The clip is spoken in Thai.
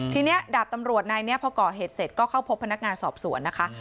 ทีนี้ดาบตำรวจนายนี้พอก่อเหตุเสร็จก็เข้าพบพนักงานสอบสวนนะคะ